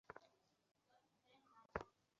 অসংখ্য বিকল্পের উদ্ভব হয়।